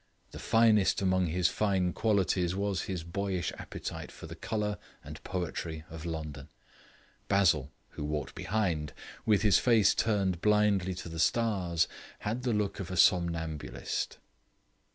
The finest among his many fine qualities was his boyish appetite for the colour and poetry of London. Basil, who walked behind, with his face turned blindly to the stars, had the look of a somnambulist.